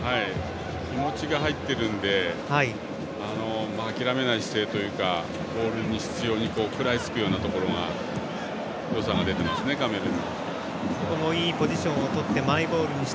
気持ちが入っているので諦めない姿勢というかボールに執ように食らいつくところのよさが出ていますね、カメルーン。